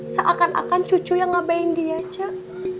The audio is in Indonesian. seakan akan cucu yang ngabain dia ceh